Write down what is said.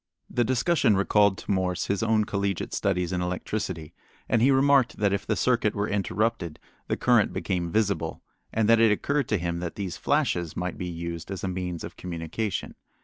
The discussion recalled to Morse his own collegiate studies in electricity, and he remarked that if the circuit were interrupted the current became visible, and that it occurred to him that these flashes might be used as a means of communication.